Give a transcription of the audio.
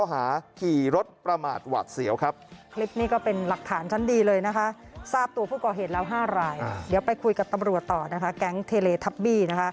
ในรถประมาทหวัดเสียวครับ